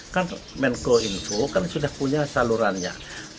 kan menko info kan sudah punya salurannya